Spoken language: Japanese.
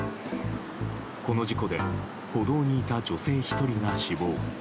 この事故で歩道にいた女性１人が死亡。